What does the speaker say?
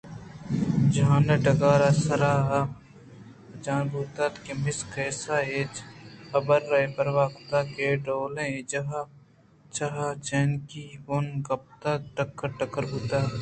جہلءَ ڈگارے سرارچان بوت اَنت ءُمس گیسا اے حبرءَ بے پروا اَت کہ اے ڈول ءَ اے چاہ ءِ چائینکی بُن ءَ کپت ءُٹکر ٹکر بوت